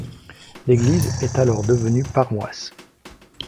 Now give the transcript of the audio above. L'église est alors devenue paroisse.